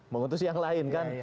mengutus yang lain kan